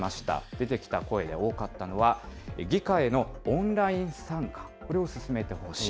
出てきた声で多かったのは、議会へのオンライン参加、これを進めてほしい。